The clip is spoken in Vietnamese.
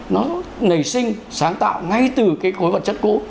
nó nảy sinh sáng tạo ngay từ cái khối vật chất cũ